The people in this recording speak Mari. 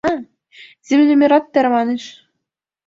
Землемерат тарваныш: